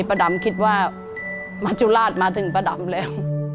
ประดำคิดว่ามาจุราชมาถึงประดำแล้ว